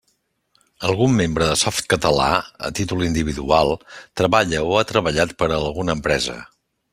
Algun membre de Softcatalà, a títol individual, treballa o ha treballat per a alguna empresa.